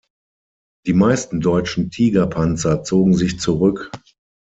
Die meisten deutschen Tiger-Panzer zogen sich zurück.